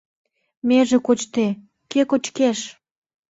Меже кочде, кӧ кочкеш?